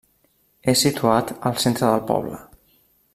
És situat al centre del poble.